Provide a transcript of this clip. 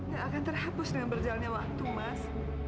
yang akan terhapus dengan berjalannya waktu mas